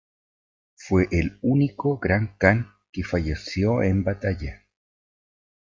Fue el único Gran Kan que falleció en batalla.